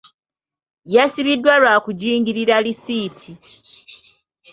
Yasibiddwa lwa kugingirira lisiiti.